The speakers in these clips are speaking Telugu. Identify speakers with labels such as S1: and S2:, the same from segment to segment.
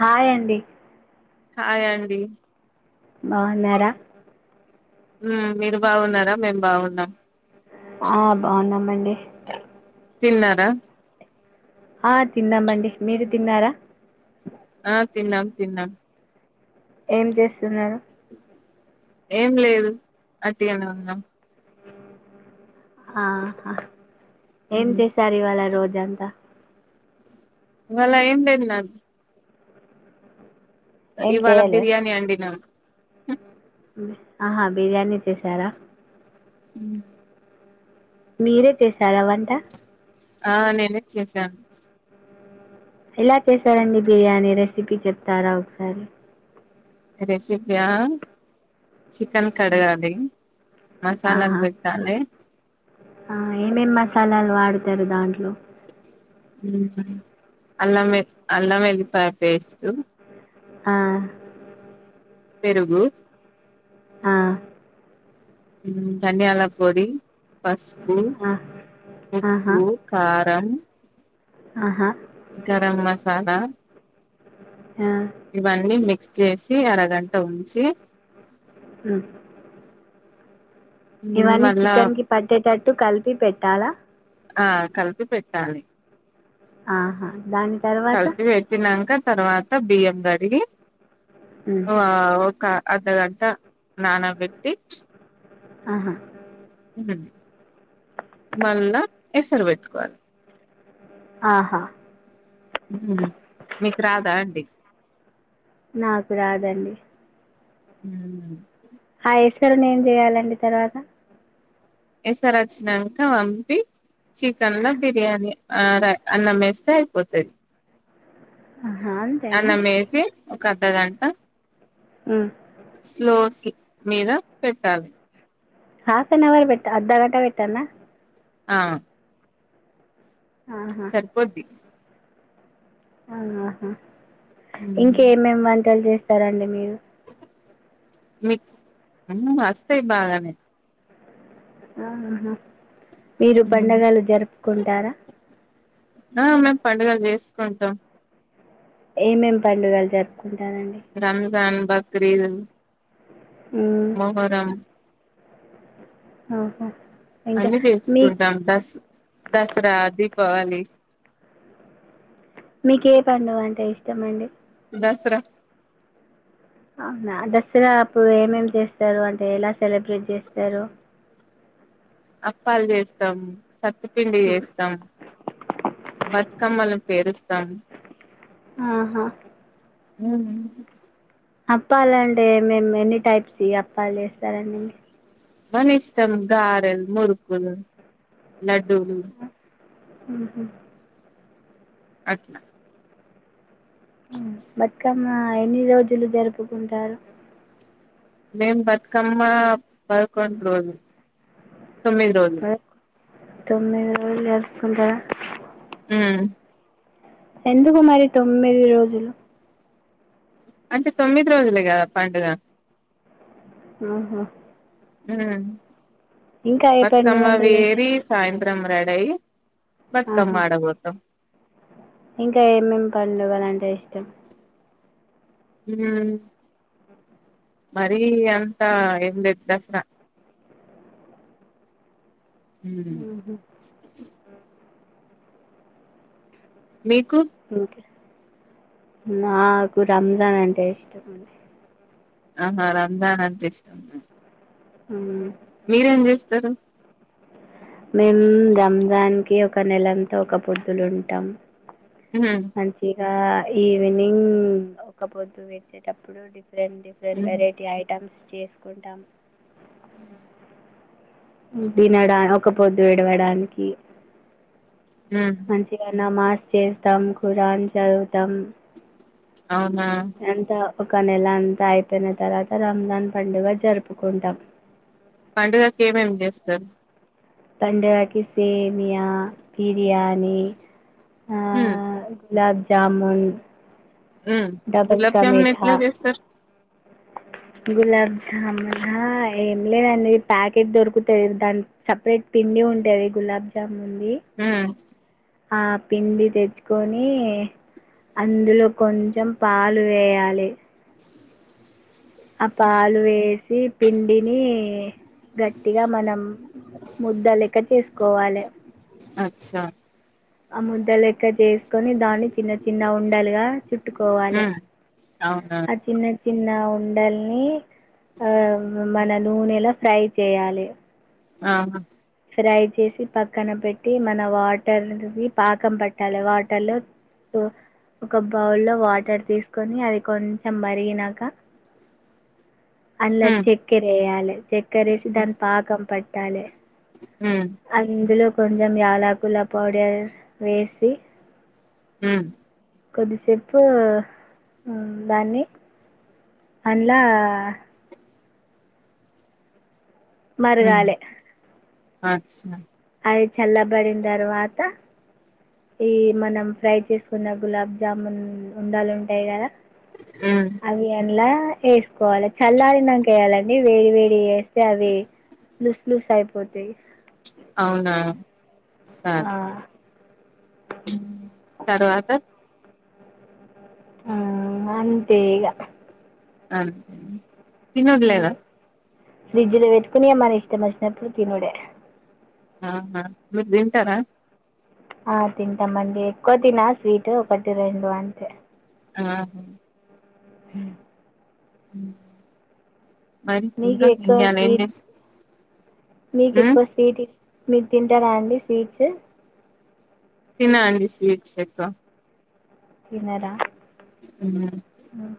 S1: హాయ్ అండి.
S2: హాయ్ అండి.
S1: బాగున్నార.
S2: ఆహ్ మీరు బాగున్నారా మేం బాగున్నాం.
S1: ఆహ్ బాగున్నామండి.
S2: తిన్నారా.
S1: ఆహ్ తిన్నమండి మీరు తిన్నారా.
S2: ఆహ్ తిన్నాం తిన్నాం.
S1: ఏం చేస్తున్నారు.
S2: ఏం లేదు ఉట్టిగానే ఉన్నాం.
S1: ఆహ్ ఏం చేశారు ఇవాళ రోజంతా.
S2: ఇవాళ ఏం లేదు నాది.
S1: ఏం
S2: ఇవాళ
S1: చేయలే
S2: బిర్యానీ వండినా.
S1: ఆహా బిర్యానీ చేసారా.
S2: ఉమ్.
S1: మీరే చేశారా వంట.
S2: ఆహ్ నేనే చేశాను.
S1: ఎలా చేశారండి బిర్యానీ రెసిపీ చెప్తారా ఒకసారి.
S2: రెసిపీయా. చికెన్ కడగాలి మసాలాలు పెట్టాలి.
S1: ఆహ్ ఏమేమి మసాలాలు వాడుతారు దాంట్లో.
S2: ఉమ్ అల్లం వే అల్లం వెల్లిపాయ పేస్ట్.
S1: ఆహ్.
S2: పెరుగు.
S1: ఆహ్.
S2: ఉమ్ దానియాల పొడి. పసుపు
S1: ఆ ఆహా
S2: ఉప్పు కారం.
S1: ఆహా.
S2: గరం మసాలా
S1: ఆ
S2: ఇవన్నీ మిక్స్ చేసి అరగంట ఉంచి.
S1: ఉమ్. ఇవన్నీ
S2: మళ్ళా
S1: చికెన్ కి పట్టేటట్టు కలిపి పెట్టాలా.
S2: ఆహ్ కలిపి పెట్టాలి.
S1: ఆహా. దాని తర్వాత
S2: కలిపి పెట్టినంకా తర్వాత బియ్యం కడిగి
S1: ఉమ్,
S2: ఒక అర్ధగంట నానబెట్టి
S1: ఆహా
S2: మళ్ళా ఎసరు పెట్టుకోవాలి
S1: ఆహా
S2: ఉ మీకు రాదా అండి
S1: నాకు రాదండి
S2: ఉహు
S1: ఆ ఎసరును ఏం జేయాలండి తర్వాత
S2: ఎసర వచ్చినాంక వంపి చికెన్ ల బిర్యానీ ఆడె అన్నం వేస్తే అయిపోతది
S1: ఆహా అంతేనా
S2: అన్నం వేసి ఒక అర్ధగంట
S1: ఉమ్.
S2: స్లోస్ మీద పెట్టాలి
S1: హాఫ్ అన్ అవర్ పెట్ట అర్ధగంట పెట్టాన్న
S2: ఆ
S1: ఆహా
S2: సరిపోద్ది
S1: ఆహా ఇంకేమేమి వంటలు చేస్తారండి మీరు
S2: మీకు వస్తాయి బాగానే
S1: ఆహా మీరు
S2: హ్మ్
S1: పండుగలు జరుపుకుంటారా
S2: ఆ మేము పండుగలు చేసుకుంటాం
S1: ఏమేం పండుగలు జరుప్
S2: రంజాన్ బక్రీదు
S1: ఉమ్,
S2: మొహరం
S1: ఆఓహో
S2: అన్ని చేసుకుంటాం దస్ దసరా దీపావళి
S1: మీకు ఏ పండుగ అంటే ఇష్టం అండి
S2: దసరా
S1: అవునా దసరా అప్పుడు ఏమేమి చేస్తారు అంటే ఎలా సెలబ్రేట్ చేస్తారు
S2: అప్పాలు చేస్తాం సత్తు పిండి
S1: ఉమ్.
S2: చేస్తాం బతుకమ్మలు పేరిస్తాన్
S1: ఆహా
S2: ఉ
S1: అప్పాలంటే మేము ఎన్ని టైప్స్ అప్పాలు చేస్తారండి
S2: మని ఇష్టం గారేల్ మురుకులు లడ్డూలు
S1: ఊహు
S2: అట్ల
S1: బతుకమ్మ ఎన్ని రోజులు జరుపుకుంటారు
S2: మేం బతుకమ్మ పదకొండు రోజులు తొమ్మిది రోజులు
S1: తొమ్మిది రోజులు జరుపుకుంటారా
S2: ఉ
S1: ఎందుకు మరి తొమ్మిది రోజులు
S2: అంటే తొమ్మిది రోజులే కదా పండుగ
S1: ఆహా
S2: ఉ
S1: ఏ పండుగ
S2: బతుకమ్మ
S1: అంటే లే-
S2: వేరి సాయ్ త్రం రెడయి
S1: ఆహా
S2: బతుకమ్మ ఆడేకి పోతం
S1: ఇంకా ఏమేం పండుగ లంటె ఇష్టం
S2: ఉ మరి అంత ఏం లేదు దసరా
S1: అ
S2: ఊ మీకు
S1: ఓకే నాకు రంజాన్ అంటే ఇష్టం అండి
S2: ఆహా రంజాన్ అంటే ఇష్టం
S1: ఉ
S2: మీరేం చేస్తారు
S1: మేము రంజాన్ కి ఒక నెలంతా ఒక్కపొద్దులు ఉంటాం
S2: ఉహు
S1: గా ఈవినింగ్ ఒక పొద్దు వెచ్చేటప్పుడు different different
S2: um
S1: variety items చేసుకుంటాం దినడా ఒక పొద్దు విడవడానికి మంచిగా నమాజ్ చేస్తాం ఖురాన్ చదువుతాం
S2: అవునా
S1: అంత ఒక నెల అంతా అయిపోయిన తర్వాత రంజాన్ పండుగ జరుపుకుంటాం
S2: పండుగకి ఏమేమి చేస్తారు
S1: పండలకి సేమియా బిర్యానీ ఆ
S2: ఉమ్
S1: గులాబ్ జామున్
S2: ఉమ్
S1: డబల్
S2: గులాబ్
S1: క
S2: జామున్
S1: మీఠా
S2: ఎట్లా చేస్తారు
S1: కు గులాబ్ జామునా ఏం లేదంది ప్యాకెట్ దొరుకుతది దాని సపరేట్ పిండి ఉంటది గులాబ్జాం
S2: ఆ
S1: ఆ పిండి తెచ్చుకొని అందులో కొంచెం పాలు వేయాలి ఆ పాలు వేసి పిండిని గట్టిగా మనం ముద్దలెక చేసుకోవాలి
S2: స
S1: ఆ ముద్ద లెక్క చేసుకొని దాన్ని చిన్న చిన్న ఉండలుగా చుట్టుకోవాలె
S2: ఉమ్ అవునా
S1: చిన్న ఉండల్ని ఆ మన నూనెలో ఫ్రై చేయాలి
S2: ఆ
S1: ఫ్రై చేసి పక్కన పెట్టి మన వాటర్ది పాకం పట్టాలి వాటర్లో సో ఒక బౌల్లో వాటర్ తీసుకొని అది కొంచెం మరిగినాక అన్లా
S2: ఉమ్
S1: చెక్కర ఎయాలె చెక్కర వేసి దాని పాకం పట్టాలె
S2: ఉమ్
S1: అందులో కొంచెం యాలకుల పౌడర్ వేసి
S2: ఉమ్
S1: కొద్ది సేపు దాన్ని అంద్లా
S2: ఉమ్
S1: మరగాలె
S2: అచ్చా
S1: అయ్ చల్ల బడిన తరువాత ఈ మనం ఫ్రై చేసుకున్న గులాబ్ జాముూన్ ఉండలు ఉంటాయి కదా
S2: ఉమ్
S1: అవి అలా వేసుకోవాలి చల్లారినంక వేయాలండి వేడి వేడి వే అవి లూస్లూసయిపోతేయి
S2: అవునా
S1: ఆ
S2: సరే తర్వాత
S1: ఆ అంతేగా
S2: అ తిన్నద్లేదా
S1: ఫ్రిడ్జ్లో పెట్టుకునిమన ఇష్టం వచ్చినప్పుడు తినుడే
S2: ఆహ మీరుతింటరా
S1: ఆ తింటామండి ఎక్కువ తిన స్వీట్ ఒకటి రెండు అంతే
S2: ఆ
S1: హ
S2: మరి
S1: మీకు
S2: ఇంకా
S1: ఎక్కువ
S2: ఇయ్యలా
S1: స్వీట్
S2: ఏంజెస్
S1: మీకు ఎక్కువ స్వీట్ మీరు తింటారా అండి స్వీట్స్
S2: తిన అండి స్వీట్స్ ఎక్కువ
S1: తినరా
S2: ఉమ్
S1: ఉ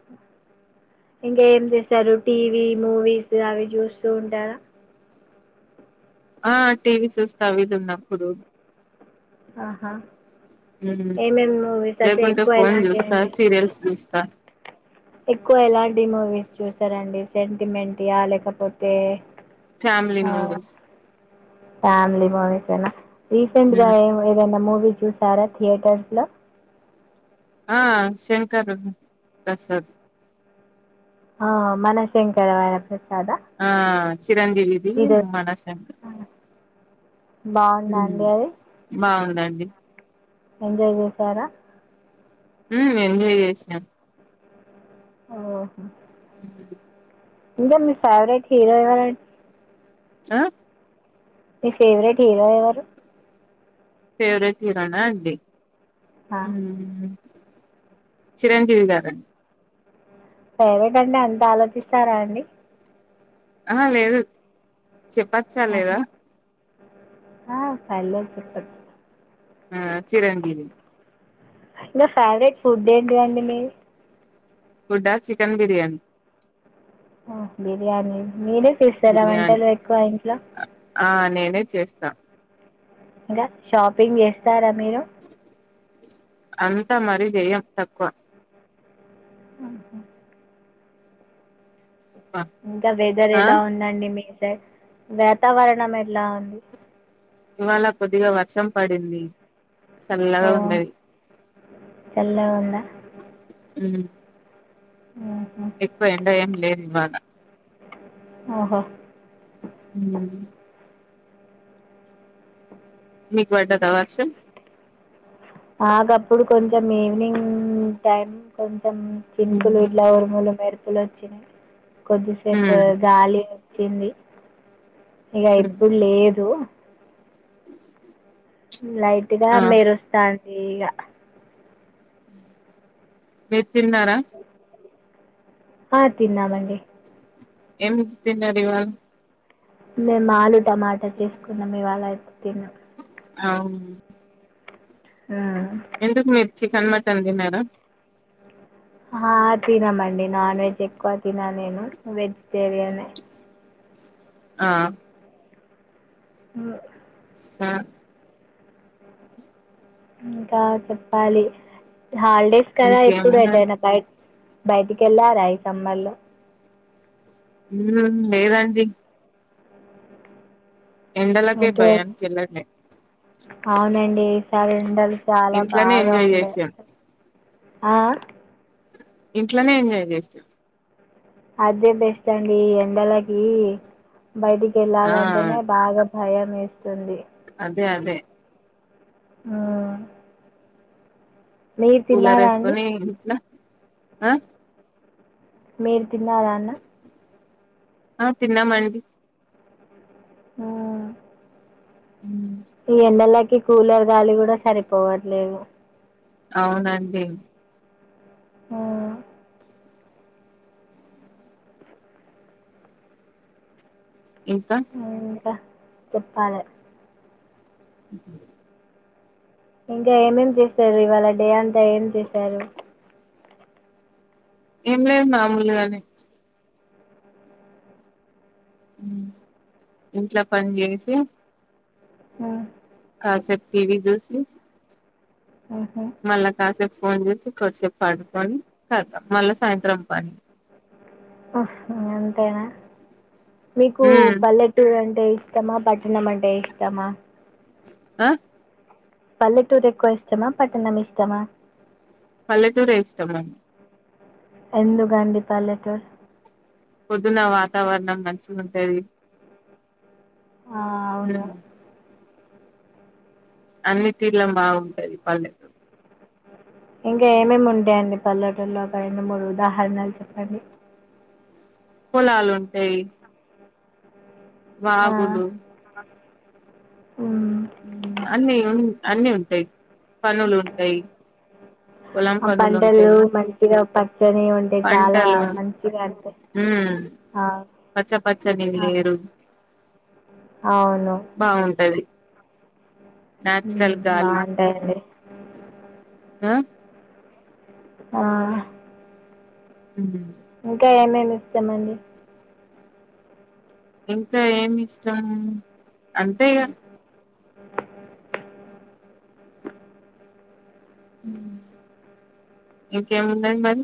S1: ఇంకా ఏం చేస్తారు టీవీ మూవీస్ అవి చూస్తూ ఉంటారా
S2: ఆ టీవీ చూస్తా అవిది ఉన్నప్పుడు
S1: ఆహా
S2: ఉమ్
S1: ఏమేమి మూవీస్ అంటే
S2: లేకుంటే
S1: ఎక్కువ
S2: ఫోన్
S1: ఎలాంటి
S2: చూస్తా
S1: అండి
S2: సీరియల్స్ చూస్తా
S1: ఎక్కువ ఎలాంటి మూవీస్ చూసారండి సెంటిమెంట్ యా లేకపోతే
S2: ఫ్యామిలీ మూవీస్
S1: ఫ్యామిలీ మూవీస్ అయినా రీసెంట్గా
S2: ఉమ్
S1: ఏదైనా మూవీ చూసారా థియేటర్స్ లో
S2: ఆ శంకరు ప్రసాద్
S1: ఆ మనశంకరవర ప్రసాద
S2: ఆ చిరంజీవిది మనశంకర్
S1: బాగుందా అండి అది
S2: బాగుందండి
S1: ఎంజాయ్ చేసారా
S2: ఉ ఎంజాయ్ చేసాం
S1: ఓహో
S2: అ
S1: ఇంగా మీ ఫేవరెట్ హీరో ఎవరన్
S2: ఆ
S1: మీ ఫేవరెట్ హీరో ఏవరు
S2: పేవరెట్ హీరోనా అండి
S1: ఆ.
S2: చిరంజీవి గారన్
S1: ఫేవేట్ అండి అంత ఆలోచిస్తారా అండి
S2: ఆహ లేదు చెప్పచ్చా
S1: ఆహా.
S2: లేదా
S1: ఆ ఫాల చెప్ప
S2: ఆ చిరంజీవి
S1: ఇంగ ఫేవరెట్ ఫుడ్ ఏంటిదండి మీ
S2: ఫుడ్డా చికెన్ బిర్యానీ
S1: బిర్యానీ మీరే చేస్తారా
S2: బిర్యానీ
S1: వంటలు ఎక్కువ ఇంట్లో
S2: ఆ నేనే చేస్తా
S1: ఇంగా షాపింగ్ చేస్తారా మీరు
S2: అంతా మరీ చెయం తక్కువ
S1: ఉహు ఇంకా వెదర్
S2: ఆ
S1: ఎలా ఉందండి మీ సైడ్ వాతావరణం ఎట్లా ఉంది
S2: ఇవాళ కొద్దిగా వర్షం పడింది చల్లగా ఉన్నది
S1: చల్లగుంద
S2: ఉ
S1: ఆహా.
S2: ఎక్కువ ఎండ ఏం లేదు ఇవాళ
S1: ఓహో
S2: ఉమ్, మీకు పడ్డద వర్షం
S1: నాకప్పుడు కొంచెం ఈవినింగ్ టైం కొంచెం
S2: ఉమ్
S1: చింకులు ఇట్లా ఉరుములు మెరుపు ప్పులు వచ్చినాయ్ కొద్దిసేపు
S2: ఉమ్.
S1: గాలి వచ్చింది ఇగ ఇప్పుడు లేదు లైట్గా
S2: ఆ
S1: మెరుస్తాంది ఈగా
S2: మీర్ తిన్నారా
S1: ఆ తిన్నామండి
S2: ఎందుకు తిన్నారు ఇవాళ
S1: మేము ఆలు టమాటా తీసుకున్నాం ఇవాళ ఎకు తిన్నాం
S2: అవును
S1: ఆ
S2: ఎందుకు మీరు చికెన్ మటన్ తినరా
S1: హా తినమండి నాన్ వెజ్ ఎక్కువ తిన నేను వెజిటేరియనే
S2: ఆ
S1: ము
S2: స
S1: ఇంకా చెప్పాలి హాలిడేస్ కదా ఎప్పుడు
S2: ఇంకేమున్నది
S1: ఎటైనా బైట్ బయటికి వెళ్ళారా సమ్మెర్లో
S2: ఉ లేదండి ఎండలకె
S1: ఎటు
S2: భయానికి వెళ్లట్లే
S1: అవునండి ఈసారి ఎండలు చాలా
S2: ఇంట్లోనే
S1: బాగా
S2: ఎంజాయ్
S1: ఉండే
S2: చేసాం
S1: ఆ
S2: ఇంట్లోనే ఎంజాయ్ చేస్తు
S1: అదే బెస్ట్ అండి ఎండలకి బయటికి
S2: ఆ
S1: వెళ్ళాలంటేనే బాగా భయం ఎస్తుంది
S2: అదే అదే
S1: ఆ
S2: కూలర్
S1: అండి
S2: వేస్కుని ఇంట్ల ఆ
S1: మీరు తిన్నారా అన్న
S2: ఆ తిన్నామండి
S1: ఊ
S2: ఉ
S1: ఈ ఎండలకి కూలర్ గాలి కూడా సరిపోవట్లేదు
S2: అవునండి
S1: ఊ
S2: ఇంకా
S1: చెప్పాలే
S2: అ
S1: ఇంకా ఏమేం చేశారు ఇవాళ డే అంతా ఏం చేశారు
S2: ఏం లేదు మామూలుగానే ఇంట్ల పని చేసి
S1: మ్
S2: కాసేపు టీవీ చూసి
S1: మ్హూ.
S2: మళ్ళా కాసేపు ఫోన్ చేసి కొద్ధిసేపు పడుకొని కతం మళ్ళా సాయంత్రం పని
S1: అంతేనా మీకు
S2: మ్మ్
S1: పల్లెటూరు అం ంటే ఇష్టమా పట్టనం అంటే ఇష్టమా
S2: ఆ
S1: పల్లెటూరు ఎక్కువ ఇష్టమా పట్టణం ఇష్టమా
S2: పల్లెటూరే ఇష్టం
S1: ఎందు కండి పల్లె టూరు
S2: పొద్దున వాతావరణం మంచిగ ఉంటది
S1: ఆ అవును
S2: మ్మ్ అన్ని తీర్ల బాగుంటది పల్లెటూరు
S1: ఇంకా ఏమేమి ఉంటా అండి పళ్ళేటూరులో ఒక రెండు మూడు ఉదాహరణలు చెప్పండి
S2: పొలాలు ఉంటాయి
S1: ఆ,
S2: వాగులు
S1: మ్మ్.
S2: అన్ని ఉ అన్నిీఉంటాయి పనులు ఉంటాయి పొలం
S1: ఆ
S2: పనులు
S1: పంటలు
S2: ఉంటాయి
S1: మంచిగా ప చ్చనే ఉంటయి చాలా
S2: పంటలు
S1: మంచిగా అనిపిస్
S2: ఉమ్
S1: ఆ
S2: పచ్చ పచ్చని
S1: అవును
S2: లేరు
S1: అవును
S2: బాగుంటది
S1: మ్మ్,
S2: నేచురల్ గాలి
S1: బాగుంటాయండి
S2: అ
S1: ఆ
S2: మ్
S1: ఇంకా ఏమేమి ఇష్టం అండి
S2: ఇంకా ఏమి ఇష్టం అంతే ఇగ
S1: ఆ
S2: ఇంకేమున్నయ్ మరి